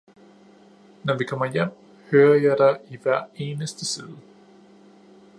Når vi kommer hjem, hører jeg dig i hver eneste side.